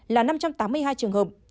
là năm trăm tám mươi hai trường hợp